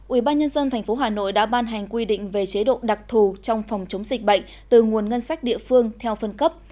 ubnd tp hà nội đã ban hành quy định về chế độ đặc thù trong phòng chống dịch bệnh từ nguồn ngân sách địa phương theo phân cấp